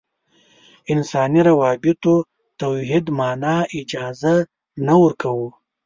انساني روابطو توحید معنا اجازه نه ورکوو.